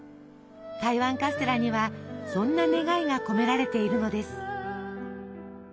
台湾カステラにはそんな願いが込められているのです。